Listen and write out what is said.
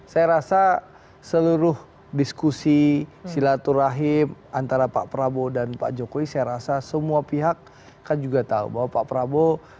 saya rasa seluruh diskusi silaturahim antara pak prabowo dan pak jokowi saya rasa semua pihak kan juga tahu bahwa pak prabowo